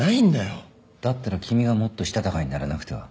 だったら君がもっとしたたかにならなくては。